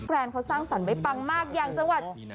แล้วดูนะนางใส่ส้นสูงนะเธอ